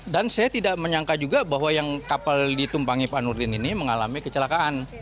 dan saya tidak menyangka juga bahwa yang kapal ditumpangi pak nurdin ini mengalami kecelakaan